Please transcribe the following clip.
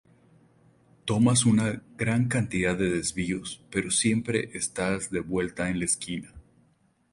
Tomas un gran cantidad de desvíos pero siempre estás de vuelta en la esquina".